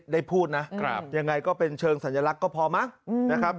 ได้พูดนะยังไงก็เป็นเชิงสัญลักษณ์ก็พอมั้งนะครับ